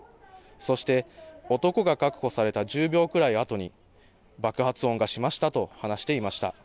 そして男が確保された１０秒くらいあとに爆発音がしましたと話していました。